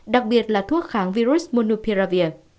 đặc biệt là thuốc kháng virus monopiravir